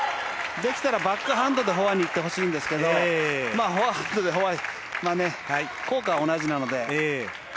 できたらバックハンドでフォアに行ってほしいんですけど効果は同じなので。